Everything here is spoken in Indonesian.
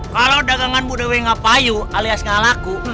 kalau dagangan bu dewi gak payu alias gak laku